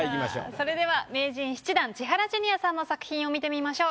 それでは名人７段千原ジュニアさんの作品を見てみましょう。